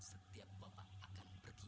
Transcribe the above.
setiap bapak akan pergi